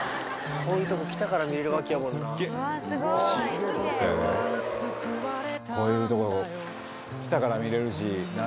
こういうとこ来たから見れるわけやもんな星そやねいや